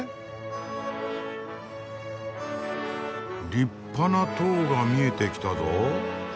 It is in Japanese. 立派な塔が見えてきたぞ。